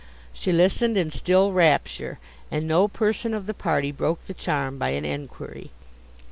She listened in still rapture, and no person of the party broke the charm by an enquiry.